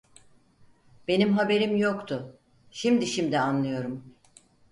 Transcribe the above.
Benim haberim yoktu… Şimdi şimdi anlıyorum…